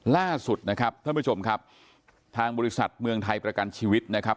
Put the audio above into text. ล่าสุดนะครับท่านผู้ชมครับทางบริษัทเมืองไทยประกันชีวิตนะครับ